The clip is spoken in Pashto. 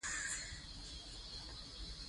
د هغې نوم هم "ننواتې" دے.